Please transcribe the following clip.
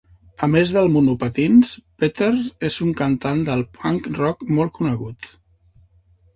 A més del monopatins, Peters és un cantant de punk rock molt conegut.